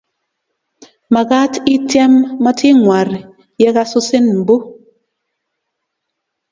Makat itiem mating'war ye kasusin mbu